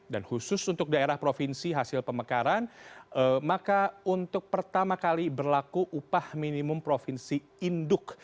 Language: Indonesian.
dan khusus untuk daerah provinsi hasil pemekaran maka untuk pertama kali berlaku upah minimum provinsi induk